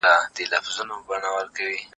څنګه بهرني ډیپلوماټان خوندیتوب لري؟